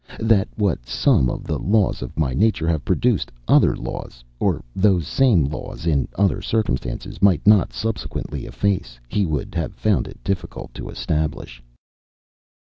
That what some of the laws of my nature have produced, other laws, or those same laws in other circumstances, might not subsequently efface, he would have found it difficult to establish."